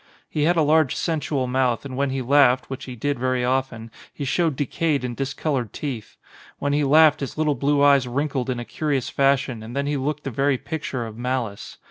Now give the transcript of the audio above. He had a large sensual mouth and when he laughed, which he did very often, he showed de cayed and discoloured teeth; when he laughed his little blue eyes wrinkled in a curious fashion and then he looked the very picture of malice.